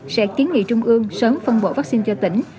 sẽ kiến nghị trung ương sớm phân bổ vaccine cho tỉnh